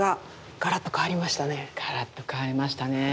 ガラッと変わりましたねえ。